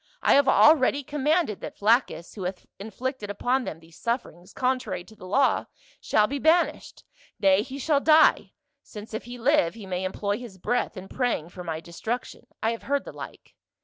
I have already commanded that Flaccus, who hath inflicted upon them these sufferings contrary to the law, shall be banished. Nay, he shall die, since if he live he may employ his breath in praying for my destruction — I have heard the like."